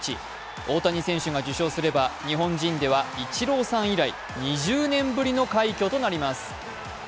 大谷選手が受賞すれば日本人ではイチローさん以来２０年ぶりの快挙となります。